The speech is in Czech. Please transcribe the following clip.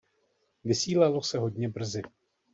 Vysílalo se hodně brzy.